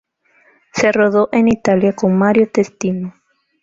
Se rodó en Italia con Mario Testino.